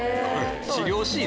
治療シーン。